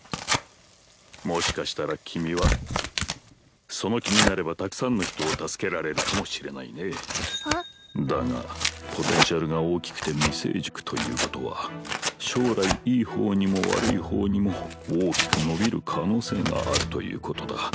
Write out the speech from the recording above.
もしかしたら君はその気になればたくさんの人を助けられるかもしれないねだがポテンシャルが大きくて未成熟ということは将来いい方にも悪い方にも大きく伸びる可能性があるということだ